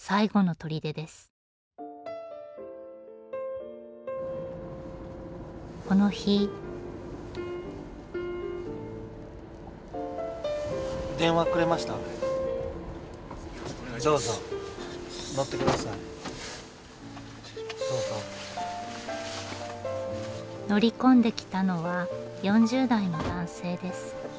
乗り込んできたのは４０代の男性です。